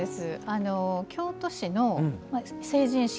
京都市の成人式